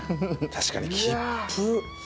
確かに切符。